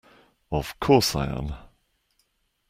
Of course I am!